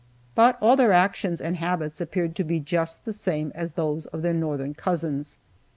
But all their actions and habits appeared to be just the same as those of their northern cousins.